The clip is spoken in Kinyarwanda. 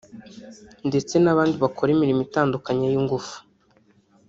ndetse n’abandi bakora imirimo itandukanye y’ ingufu